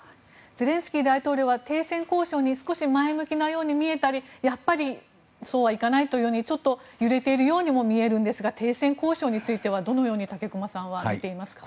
ゼレンスキー大統領は停戦交渉に少し前向きなように見えたりやっぱりそうはいかないというようにちょっと揺れているようにも見えるんですが停戦交渉についてはどのように武隈さんは見ていますか？